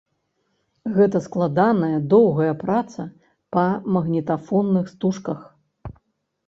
Гэта складаная, доўгая праца па магнітафонных стужках.